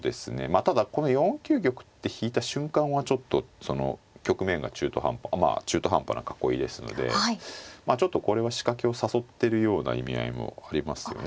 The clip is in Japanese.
ただこの４九玉って引いた瞬間はちょっと局面が中途半端まあ中途半端な囲いですのでちょっとこれは仕掛けを誘ってるような意味合いもありますよね。